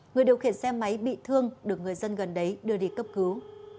người điều khiển xe máy bị thương được người dân gần đấy đưa đi cấp cứu